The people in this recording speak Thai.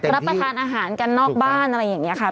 รับประทานอาหารกันนอกบ้านอะไรอย่างนี้ค่ะ